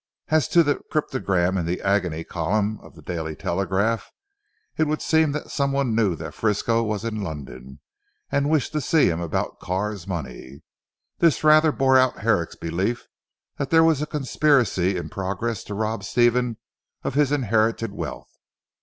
As to the cryptogram in the agony Column of the "Daily Telegraph," it would seem that someone knew that Frisco was in London and wished to see him about Carr's money. This rather bore out Herrick's belief that there was a conspiracy in progress to rob Stephen of his inherited wealth.